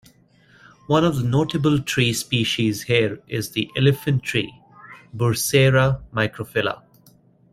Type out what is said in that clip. One of the notable tree species here is the elephant tree, "Bursera microphylla".